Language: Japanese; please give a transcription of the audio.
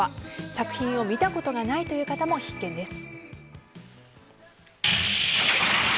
作品を見たことがないという方も必見です。